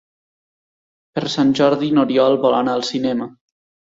Per Sant Jordi n'Oriol vol anar al cinema.